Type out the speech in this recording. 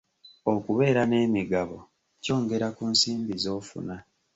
Okubeera n'emigabo kyongera ku nsimbi z'ofuna.